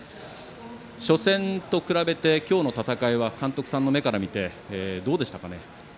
初戦と比べて、今日の戦いは監督さんの目から見てどうでしたかね？